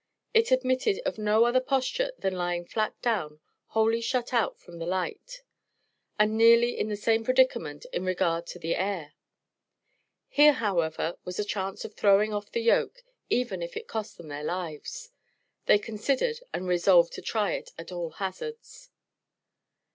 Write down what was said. It admitted of no other posture than lying flat down, wholly shut out from the light, and nearly in the same predicament in regard to the air. Here, however, was a chance of throwing off the yoke, even if it cost them their lives. They considered and resolved to try it at all hazards.